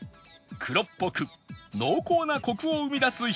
黒っぽく濃厚なコクを生み出す秘密は？